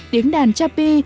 tiếng đàn cha pi